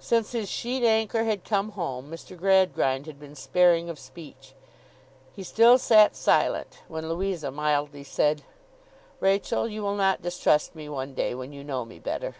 Since his sheet anchor had come home, Mr. Gradgrind had been sparing of speech. He still sat silent, when Louisa mildly said: 'Rachael, you will not distrust me one day, when you know me better.